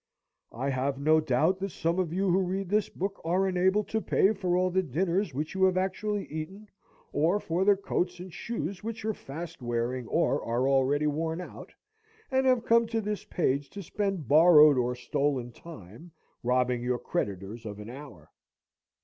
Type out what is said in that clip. I have no doubt that some of you who read this book are unable to pay for all the dinners which you have actually eaten, or for the coats and shoes which are fast wearing or are already worn out, and have come to this page to spend borrowed or stolen time, robbing your creditors of an hour.